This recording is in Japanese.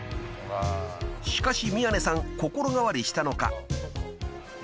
［しかし宮根さん心変わりしたのか］